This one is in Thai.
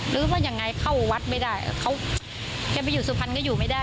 หรือว่ายังไงเข้าวัดไม่ได้เขาแกไปอยู่สุพรรณก็อยู่ไม่ได้